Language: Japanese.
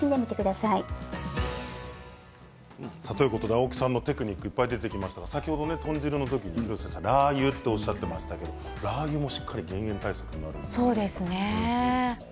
青木さんのテクニックいっぱい出てきましたけど先ほど豚汁の時広末さん、ラー油とおっしゃっていましたがラー油も減塩対策があるんですね。